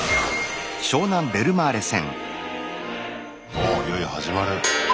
おっいよいよ始まる。